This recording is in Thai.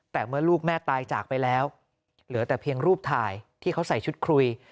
แต่เมื่อลูกแม่ตายจากไปแล้วเหลือแต่เพียงรูปถ่ายที่เขาใส่ชุดคุย